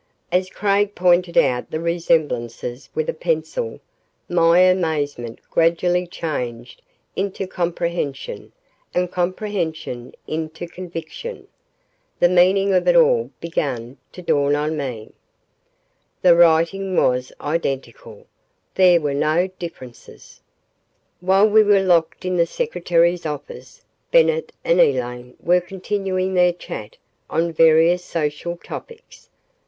As Craig pointed out the resemblances with a pencil, my amazement gradually changed into comprehension and comprehension into conviction. The meaning of it all began to dawn on me. The writing was identical. There were no differences! ........ While we were locked in the secretary's office, Bennett and Elaine were continuing their chat on various social topics.